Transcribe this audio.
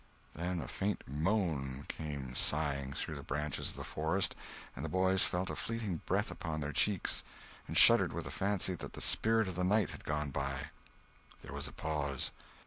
Then a faint moan came sighing through the branches of the forest and the boys felt a fleeting breath upon their cheeks, and shuddered with the fancy that the Spirit of the Night had gone by. There was a pause.